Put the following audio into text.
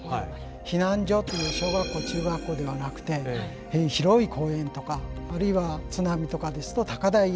避難所という小学校中学校ではなくて広い公園とかあるいは津波とかですと高台へ。